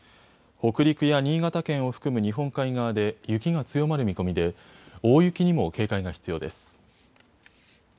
北陸や新潟県を含む日本海側で雪が強まる見込みで大雪にも警戒が必要です。